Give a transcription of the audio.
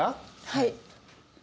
はい。